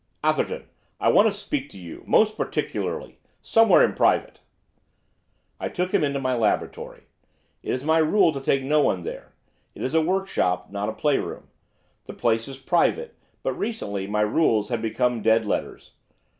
'Atherton, I want to speak to you most particularly somewhere in private.' I took him into my laboratory. It is my rule to take no one there; it is a workshop, not a playroom, the place is private; but, recently, my rules had become dead letters.